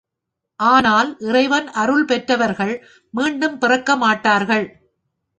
ஆனால் இறைவன் அருள் பெற்றவர்கள் மீட்டும் பிறக்க மாட்டார்கள்.